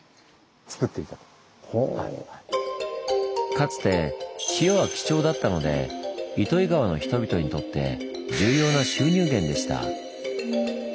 かつて塩は貴重だったので糸魚川の人々にとって重要な収入源でした。